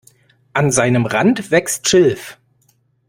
An seinem Rand wächst Schilf.